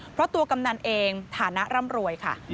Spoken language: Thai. เพราะตัวกำนันเองฐานะร่ำรวยค่ะ